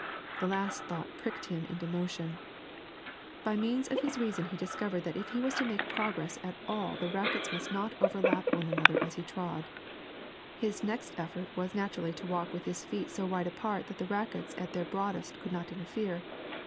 The last thought pricked him into motion. By means of his reason he discovered that if he was to make progress at all the rackets must not overlap one another as he trod; his next effort was naturally to walk with his feet so wide apart that the rackets at their broadest could not interfere.